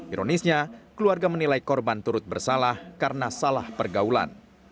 ironisnya keluarga menilai korban turut bersalah karena salah pergaulan